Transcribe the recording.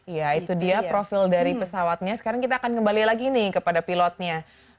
ya itu dia profil dari pesawatnya sekarang kita akan kembali lagi nih kepada pilotnya